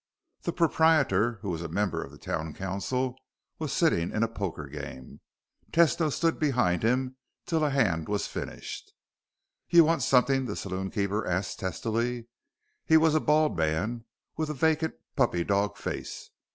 The proprietor, who was a member of the town council, was sitting in a poker game. Tesno stood behind him till a hand was finished. "You want something?" the saloonkeeper asked testily. He was a bald man with a vacant, puppy dog face.